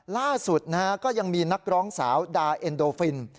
ล่าสุดนะฮะก็ยังมีนักร้องสาวดาเอ็นโดฟิน